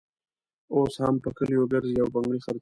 اوس هم په کلیو ګرزي او بنګړي خرڅوي.